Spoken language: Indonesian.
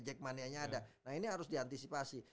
jack manianya ada nah ini harus diantisipasi